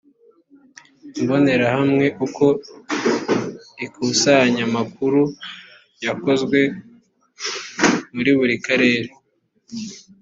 imbonerahamwe uko ikusanyamakuru ryakozwe muri buri karere